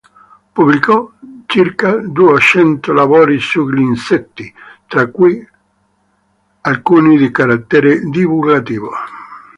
Pubblicò circa duecento lavori sugli insetti, tra cui alcuni di carattere divulgativo.